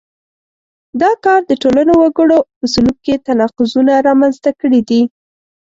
دا کار د ټولنو وګړو په سلوک کې تناقضونه رامنځته کړي دي.